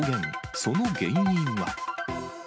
その原因は。